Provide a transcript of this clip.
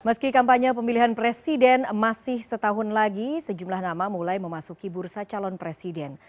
meski kampanye pemilihan presiden masih setahun lagi sejumlah nama mulai memasuki bursa calon presiden